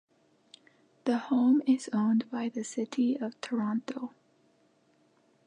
The home is owned by the City of Toronto.